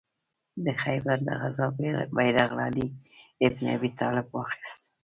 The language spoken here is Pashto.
د خیبر د غزا بیرغ علي ابن ابي طالب واخیست.